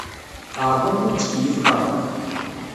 Ɛreḍ amek ur tettkeyyifeḍ ara.